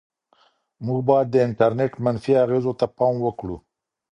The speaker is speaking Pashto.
موږ باید د انټرنيټ منفي اغېزو ته پام وکړو.